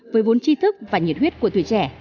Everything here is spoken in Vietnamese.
với vốn chi thức và nhiệt huyết của tuổi trẻ